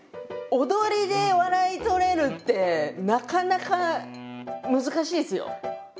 踊りで笑い取れるってなかなか難しいですよ。